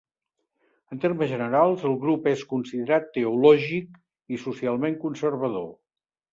En termes generals, el grup és considerat teològic i socialment conservador.